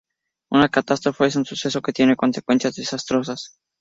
Una catástrofe es un suceso que tiene consecuencias desastrosas.